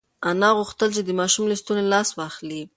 انا غوښتل چې د ماشوم له ستوني لاس واخلي.